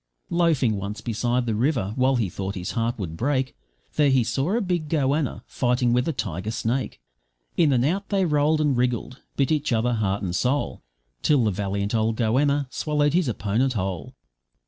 ..... Loafing once beside the river, while he thought his heart would break, There he saw a big goanna fighting with a tiger snake, In and out they rolled and wriggled, bit each other, heart and soul, Till the valiant old goanna swallowed his opponent whole.